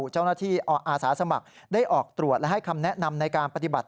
เจ้าหน้าที่อาศาสมัครได้ออกตรวจและให้คำแนะนำในการปฏิบัติ